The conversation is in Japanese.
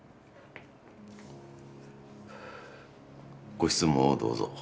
ご質問をどうぞ。